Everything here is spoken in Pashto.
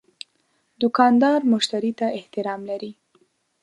دوکاندار مشتری ته احترام لري.